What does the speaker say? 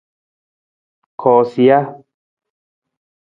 Koosija.